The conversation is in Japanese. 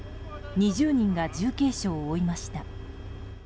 ２０人が重軽傷を負いました。